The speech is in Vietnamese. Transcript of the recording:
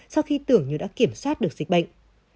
sau khi tưởng như đã kiểm soát được dịch bệnh